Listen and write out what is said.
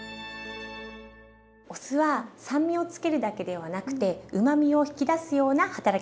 お酢は酸味を付けるだけではなくてうまみを引き出すような働きもあります。